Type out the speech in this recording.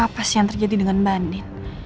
sebenernya apa sih yang terjadi dengan mbak andin